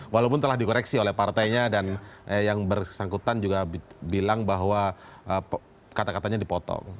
walaupun telah dikoreksi oleh partainya dan yang bersangkutan juga bilang bahwa kata katanya dipotong